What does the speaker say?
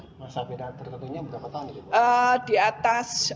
masa pidana tertentunya berapa tahun